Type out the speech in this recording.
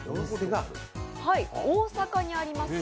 大阪にあります